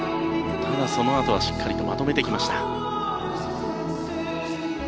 ただ、そのあとはしっかりとまとめました。